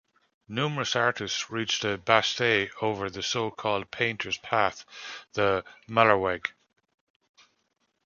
Numerous artists reached the Bastei over the so-called Painter's Path, the "Malerweg".